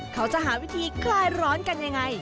เขาจะหาวิธีคลายร้อนกันยังไง